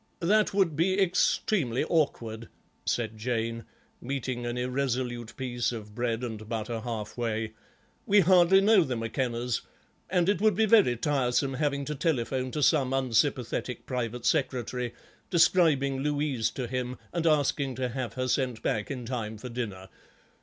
"That would be extremely awkward," said Jane, meeting an irresolute piece of bread and butter halfway; "we hardly know the McKennas, and it would be very tiresome having to telephone to some unsympathetic private secretary, describing Louise to him and asking to have her sent back in time for dinner.